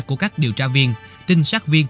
của các điều tra viên trinh sát viên